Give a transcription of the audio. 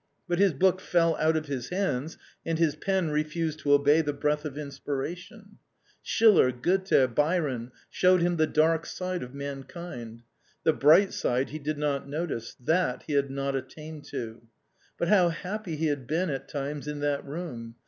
But his book fell out of his hands, and his pen refused to obey the breath of inspiration. Schiller, Goethe, Byron showed him the dark side of mankind ; the bright side he did not notice — that he had not attained to. But how happy he had been at times in that room